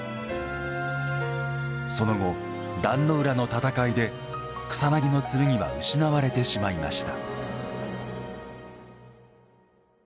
その後、壇ノ浦の戦いで草薙剣は失われてしまいました。